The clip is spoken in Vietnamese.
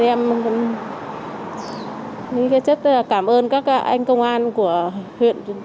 em rất cảm ơn các anh công an của huyện